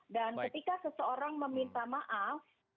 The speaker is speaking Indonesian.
dan ketika seseorang meminta maaf